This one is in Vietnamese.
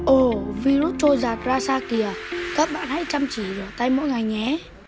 ồ virus trôi giặt ra xa kìa các bạn hãy chăm chỉ rửa tay mỗi ngày nhé